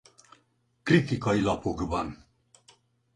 Kritikai Lapokban.